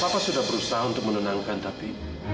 bapak sudah berusaha untuk menenangkan tapi